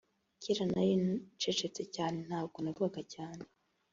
Kera nari ncecetse cyane ntabwo navugaga cyane